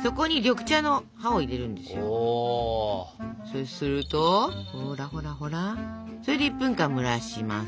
そうするとほらほらほら。それで１分蒸らします。